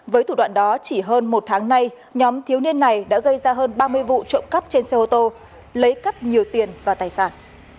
với thủ đoạn đó chỉ hơn một tháng nay nhóm thiếu niên này đã gây ra hơn ba mươi vụ trộm cắp trên xe ô tô lấy cắp nhiều tiền và tài sản